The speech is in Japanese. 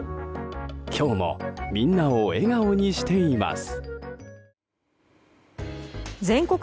今日もみんなを笑顔にしています。